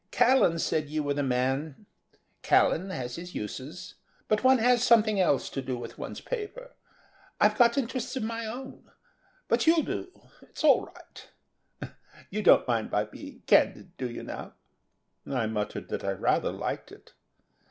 Callan said you were the man. Callan has his uses; but one has something else to do with one's paper. I've got interests of my own. But you'll do; it's all right. You don't mind my being candid, do you, now?" I muttered that I rather liked it.